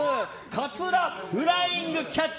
カツラフライングキャッチ。